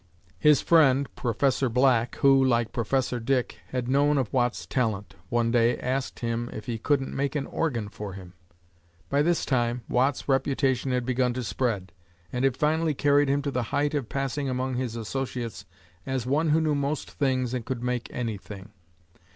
His friend, Professor Black, who, like Professor Dick, had known of Watt's talent, one day asked him if he couldn't make an organ for him. By this time, Watt's reputation had begun to spread, and it finally carried him to the height of passing among his associates as "one who knew most things and could make anything."